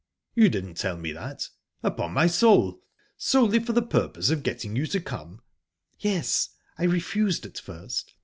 "You didn't tell me that!...Upon my soul!...Solely for the purpose of getting you to come? "Yes. I refused at first.